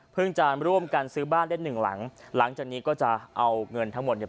จะร่วมกันซื้อบ้านได้หนึ่งหลังหลังจากนี้ก็จะเอาเงินทั้งหมดเนี่ย